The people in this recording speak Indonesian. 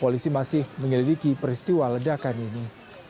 polisi masih menyelidiki peristiwa ledakan ini